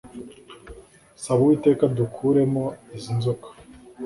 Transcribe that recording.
saba uwiteka adukuremo izi nzoka